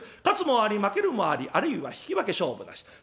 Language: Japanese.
勝つもあり負けるもありあるいは引き分け勝負なし。